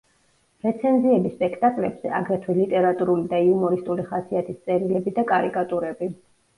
რეცენზიები სპექტაკლებზე, აგრეთვე ლიტერატურული და იუმორისტული ხასიათის წერილები და კარიკატურები.